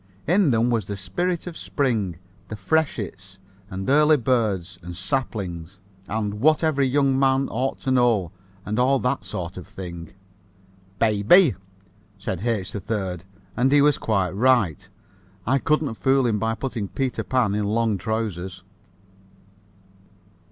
In them was the spirit of spring, and freshets, and early birds, and saplings, and What Every Young Man Ought to Know and all that sort of thing. "Baybay," said H. 3rd, and he was quite right. I couldn't fool him by putting Peter Pan in long trousers.